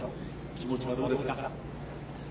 気持ちはどうですか。